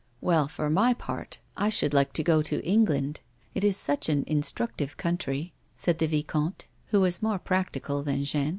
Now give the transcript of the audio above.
"Well, for my part, I should like to go to England ; it is such an instructive country," said the vicomte, who was more practical than Jeanne.